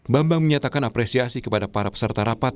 bambang menyatakan apresiasi kepada para peserta rapat